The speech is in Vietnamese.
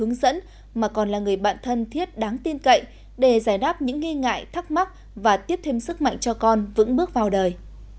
không chỉ là người hướng dẫn mà còn là người bạn thân thiết đáng tin cậy để giải đáp những nghi ngại thắc mắc và tiếp thêm sức mạnh cho con vững bước vào đời